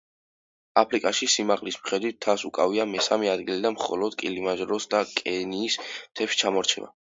აფრიკაში სიმაღლის მიხედვით მთას უკავია მესამე ადგილი და მხოლოდ კილიმანჯაროს და კენიის მთებს ჩამორჩება.